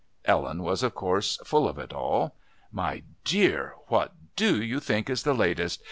Ellen was, of course, full of it all. "My dear, what do you think is the latest!